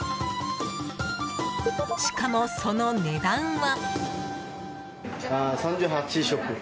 しかも、その値段は。